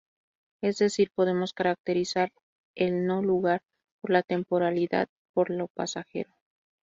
Es decir, podemos caracterizar el no-lugar por la temporalidad y por lo pasajero.